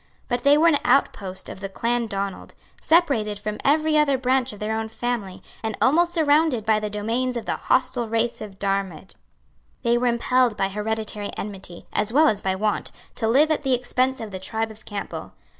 But they were an outpost of the Clan Donald, separated from every other branch of their own family, and almost surrounded by the domains of the hostile race of Diarmid. They were impelled by hereditary enmity, as well as by want, to live at the expense of the tribe of Campbell.